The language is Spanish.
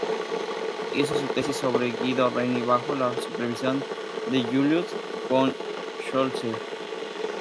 Hizo su tesis sobre Guido Reni bajo la supervisión de Julius von Schlosser.